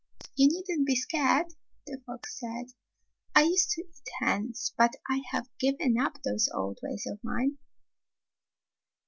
"You needn't be scared," the fox said. "I used to eat hens, but I have given up those old ways of mine."